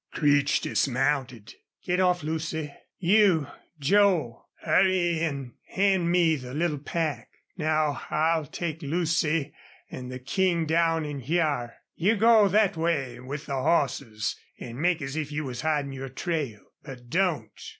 Creech dismounted. "Git off, Lucy. You, Joel, hurry an' hand me the little pack.... Now I'll take Lucy an' the King down in hyar. You go thet way with the hosses an' make as if you was hidin' your trail, but don't.